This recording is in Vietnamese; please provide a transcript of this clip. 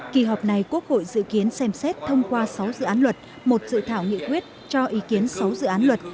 kỳ họp này quốc hội dự kiến xem xét thông qua sáu dự án luật một dự thảo nghị quyết cho ý kiến sáu dự án luật